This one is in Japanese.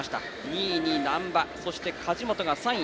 ２位に難波、そして梶本が３位。